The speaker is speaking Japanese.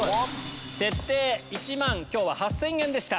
設定１万８０００円でした。